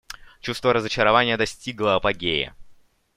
Чувство разочарования достигло апогея.